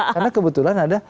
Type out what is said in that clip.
karena kebetulan ada